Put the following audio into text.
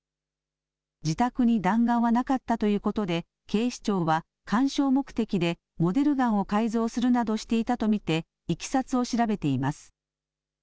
自宅に弾丸はなかったということで警視庁は鑑賞目的でモデルガンを改造するなどしていたと見ていきさつを調べています。